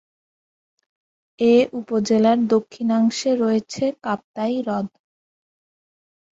এ উপজেলার দক্ষিণাংশে রয়েছে কাপ্তাই হ্রদ।